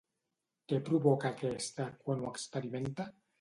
Què provoca aquesta quan ho experimenta?